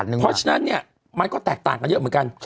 เพราะฉะนั้นเนี่ยมันก็แตกต่างกันเยอะเหมือนกัน